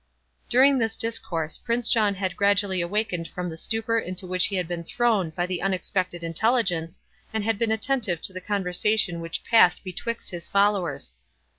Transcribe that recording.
During this discourse, Prince John had gradually awakened from the stupor into which he had been thrown by the unexpected intelligence, and had been attentive to the conversation which passed betwixt his followers.